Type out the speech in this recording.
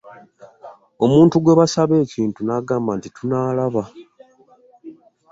Omuntu gwe basaba ekintu nnagamba nti tunalaaba .